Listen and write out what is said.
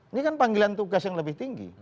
ini kan panggilan tugas yang lebih tinggi